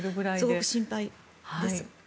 すごく心配です。